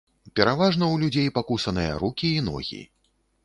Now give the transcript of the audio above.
Пераважна ў людзей пакусаныя рукі і ногі.